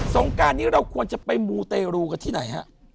งการนี้เราควรจะไปมูเตรูกันที่ไหนฮะ